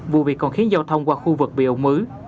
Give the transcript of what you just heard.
vụ việc còn khiến giao thông qua khu vực bị ốm mứ